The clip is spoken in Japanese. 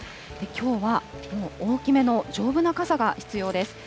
きょうはもう大きめの丈夫な傘が必要です。